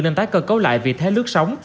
nên tái cơ cấu lại vì thế lước sống